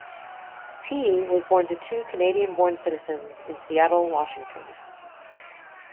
Tee was born to two Canadian-born citizens in Seattle, Washington.